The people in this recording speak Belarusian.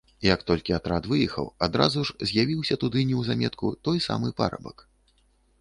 Як толькі атрад выехаў, адразу ж з'явіўся туды, неўзаметку, той самы парабак.